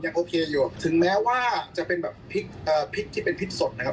โอเคอยู่ถึงแม้ว่าจะเป็นแบบพริกที่เป็นพริกสดนะครับ